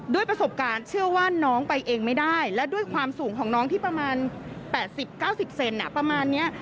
ประสบการณ์เชื่อว่าน้องไปเองไม่ได้และด้วยความสูงของน้องที่ประมาณ๘๐๙๐เซนประมาณนี้